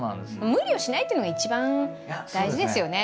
無理をしないっていうのが一番大事ですよね。